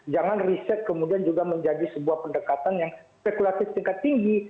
jangan riset kemudian juga menjadi sebuah pendekatan yang spekulatif tingkat tinggi